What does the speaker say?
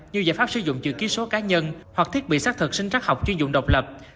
như giải pháp sử dụng chữ ký số cá nhân hoặc thiết bị xác thực sinh trắc học chuyên dụng độc lập